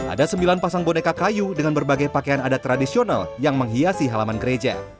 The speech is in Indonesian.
ada sembilan pasang boneka kayu dengan berbagai pakaian adat tradisional yang menghiasi halaman gereja